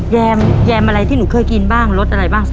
แยมอะไรที่หนูเคยกินบ้างรสอะไรบ้าง